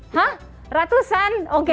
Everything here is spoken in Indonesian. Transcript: hah ratusan oke